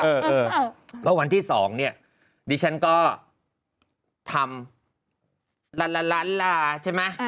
เพราะวันที่๒เนี่ยดิฉันก็ทำลาลาลาลาใช่ไหม